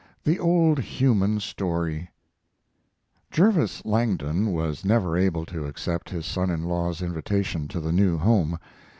THE OLD HUMAN STORY Jervis Langdon was never able to accept his son in law's invitation to the new home.